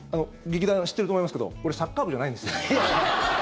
劇団、知ってると思いますけど俺、サッカー部じゃないんですよ。